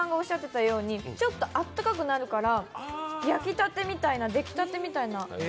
あと確かにちょっとあったかくなるから焼きたてみたいな、出来たてみたいな。